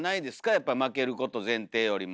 やっぱ負けること前提よりも。